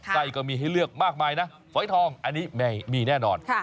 ก็มีให้เลือกมากมายนะฝอยทองอันนี้ไม่มีแน่นอน